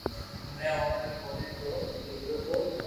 مي او ھوري رو لودو تو